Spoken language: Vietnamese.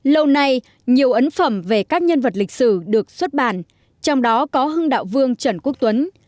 lâu nay nhiều ấn phẩm về các nhân vật lịch sử được xuất bản trong đó có hưng đạo vương trần quốc tuấn